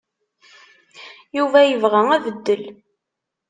Yuba yebɣa abeddel.